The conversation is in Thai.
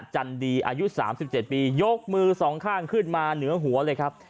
จันดีอายุ๓๗ปียกมือสองข้างขึ้นมาเหนือหัวเลยครับ